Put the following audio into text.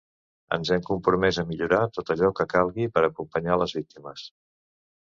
Ens hem compromès a millorar tot allò que calgui per a acompanyar les víctimes.